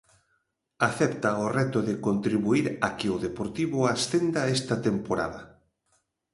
Acepta o reto de contribuír a que o Deportivo ascenda esta temporada.